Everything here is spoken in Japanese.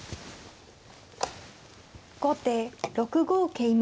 後手６五桂馬。